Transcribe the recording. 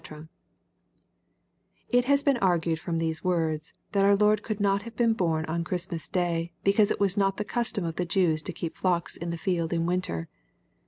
] It has been argued from these words, that our Lord could not have been bom on Ohristmaa day, because it was not the custom of the Jews to keep flocks in the field in winter.